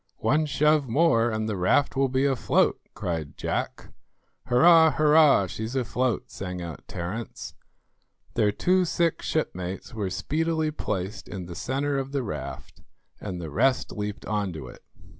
"One shove more and the raft will be afloat," cried Jack. "Hurrah, hurrah, she's afloat," sang out Terence. Their two sick shipmates were speedily placed in the centre of the raft, and the rest leaped on to it.